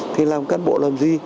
thì làm cán bộ làm gì